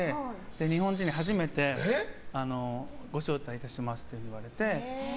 日本人で初めてご招待いたしますと言われて。